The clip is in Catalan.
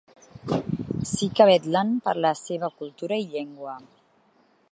Sí que vetlen per la seva cultura i llengua.